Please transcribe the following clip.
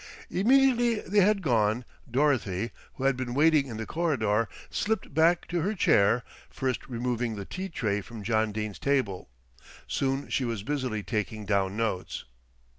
Immediately they had gone, Dorothy, who had been waiting in the corridor, slipped back to her chair, first removing the tea tray from John Dene's table. Soon she was busily taking down notes.